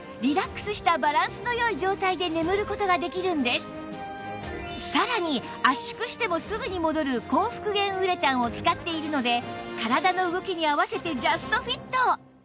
その結果さらに圧縮してもすぐに戻る高復元ウレタンを使っているので体の動きに合わせてジャストフィット